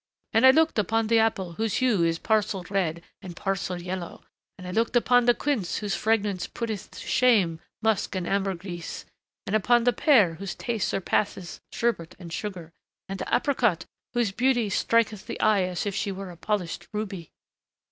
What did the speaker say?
"And I looked upon the apple, whose hue is parcel red and parcel yellow ... and I looked upon the quince whose fragrance putteth to shame musk and ambergris ... and upon the pear whose taste surpasseth sherbet and sugar, and the apricot, whose beauty striketh the eye as she were a polished ruby....